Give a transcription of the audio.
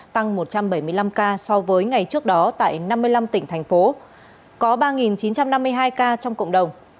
tăng một trăm bảy mươi năm ca so với ngày trước đó tại năm mươi năm tỉnh thành phố có ba chín trăm năm mươi hai ca trong cộng đồng